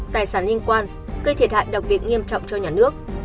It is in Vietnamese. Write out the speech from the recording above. tài sản liên quan gây thiệt hại đặc biệt nghiêm trọng cho nhà nước